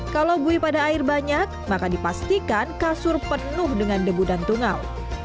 kalau bui pada air banyak maka dipastikan kasur penuh dengan debu dan tungau